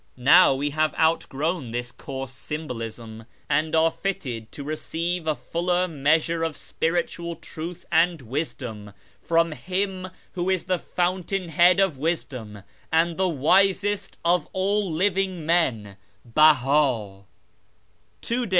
Now we have outgrown this coarse symbolism, and are fitted to receive a fuller measure of spiritual truth and wisdom from him who is the Fountain head of wisdom and the wisest of all living men, Beha."